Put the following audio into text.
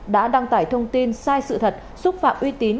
đã đăng tải thông tin sai sự thật xúc phạm uy tín